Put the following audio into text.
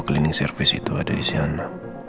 cleaning service itu ada di sana